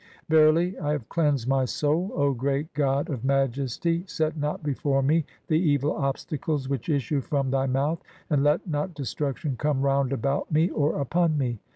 (6) Verily I have cleansed my soul, O great god "of majesty, set not before me the evil obstacles which issue "from thy mouth, (7) and let not destruction come round about "me, or upon me.